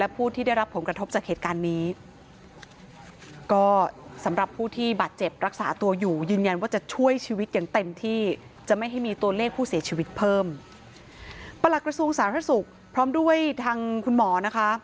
หลักกระทรวงสาธารณสุขพร้อมด้วยทางคุณหมอนะคะ